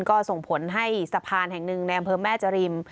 ก็ส่งผลให้สะพานแห่งหนึ่งในอำเภอแม่จริม